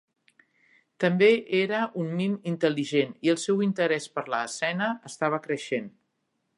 També era un mim intel·ligent, i el seu interès per la escena estava creixent.